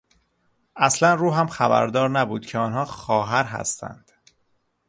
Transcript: اصلا روحم خبردار نبود که آنها خواهر هستند.